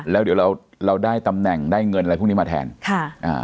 แล้วเดี๋ยวเราเราได้ตำแหน่งได้เงินอะไรพวกนี้มาแทนค่ะอ่า